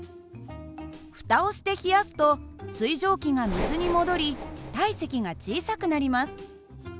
ふたをして冷やすと水蒸気が水に戻り体積が小さくなります。